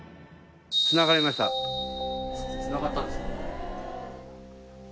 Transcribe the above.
つながったんですか？